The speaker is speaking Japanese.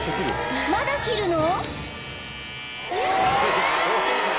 まだ切るの？］